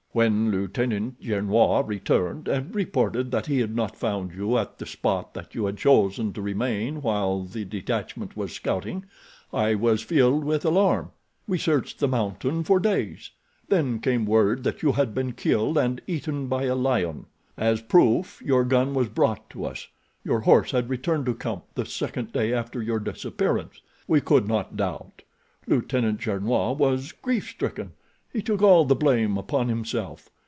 "When Lieutenant Gernois returned and reported that he had not found you at the spot that you had chosen to remain while the detachment was scouting, I was filled with alarm. We searched the mountain for days. Then came word that you had been killed and eaten by a lion. As proof your gun was brought to us. Your horse had returned to camp the second day after your disappearance. We could not doubt. Lieutenant Gernois was grief stricken—he took all the blame upon himself.